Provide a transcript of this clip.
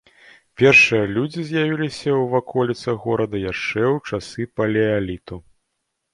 Першыя людзі з'явіліся ў ваколіцах горада яшчэ ў часы палеаліту.